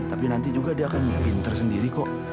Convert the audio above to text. tapi nanti juga dia akan pinter sendiri kok